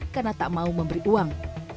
karena tak mau memberi uang